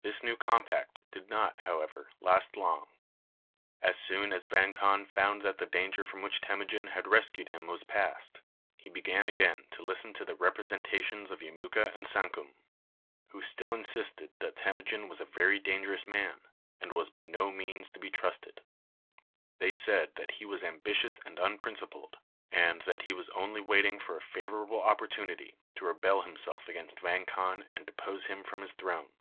This new compact did not, however, last long. As soon as Vang Khan found that the danger from which Temujin had rescued him was passed, he began again to listen to the representations of Yemuka and Sankum, who still insisted that Temujin was a very dangerous man, and was by no means to be trusted. They said that he was ambitious and unprincipled, and that he was only waiting for a favorable opportunity to rebel himself against Vang Khan and depose him from his throne.